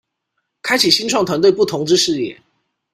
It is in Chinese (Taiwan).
開啟新創團隊不同之視野